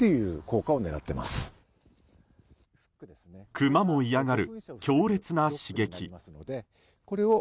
クマも嫌がる強烈な刺激。